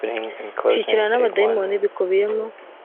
gushyikirana n abadayimoni bikubiyemo